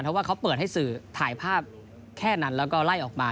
เพราะว่าเขาเปิดให้สื่อถ่ายภาพแค่นั้นแล้วก็ไล่ออกมา